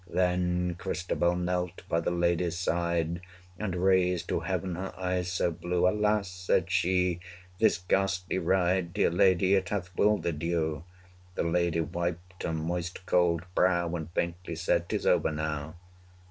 Then Christabel knelt by the lady's side, And raised to heaven her eyes so blue 215 Alas! said she, this ghastly ride Dear lady! it hath wildered you! The lady wiped her moist cold brow, And faintly said, ''tis over now!'